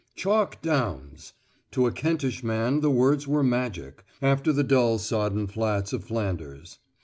Chalk downs! To a Kentish man the words were magic, after the dull sodden flats of Flanders.